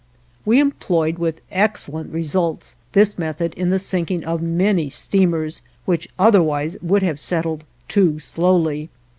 We employed, with excellent results, this method in the sinking of many steamers which otherwise would have settled too slowly.